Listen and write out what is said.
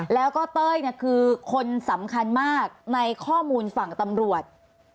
แล้วก็เต้ยคือคนสำคัญมากในข้อมูลฝั่งตำรวจ